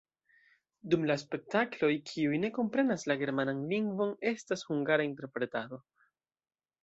Dum la spektakloj kiuj ne komprenas la germanan lingvon, estas hungara interpretado.